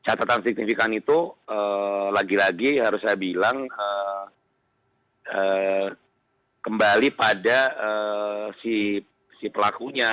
catatan signifikan itu lagi lagi harus saya bilang kembali pada si pelakunya